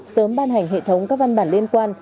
sớm ban hành hệ thống các văn bản liên quan